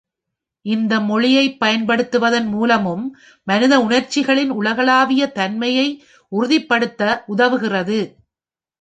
இந்த மொழியைப் பயன்படுத்துவதன் மூலமும் மனித உணர்ச்சிகளின் உலகளாவிய தன்மையை உறுதிப்படுத்த உதவுகிறது.